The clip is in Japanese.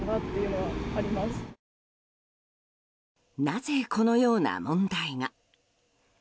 なぜ、このような問題が。